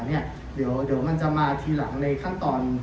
เดี๋ยวมันจะมาทีหลังในขั้นตอน